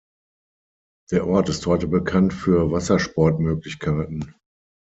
Der Ort ist heute bekannt für Wassersportmöglichkeiten.